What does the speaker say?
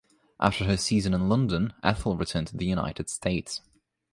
After her season in London, Ethel returned to the United States.